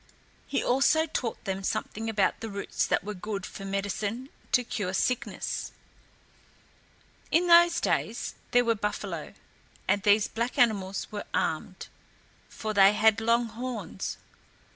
He also taught them something about the roots that were good for medicine to cure sickness. In those days there were buffalo, and these black animals were armed, for they had long horns.